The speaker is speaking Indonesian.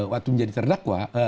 waktu menjadi terdakwa